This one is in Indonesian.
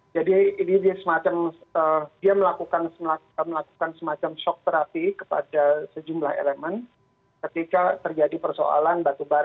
jadi ini dia melakukan semacam shock therapy kepada sejumlah elemen ketika terjadi persoalan batu bara